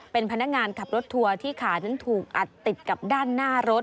เป็นพนักงานขับรถทัวร์ที่ขานั้นถูกอัดติดกับด้านหน้ารถ